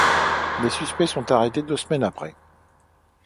Des suspects sont arrêtés deux semaines après.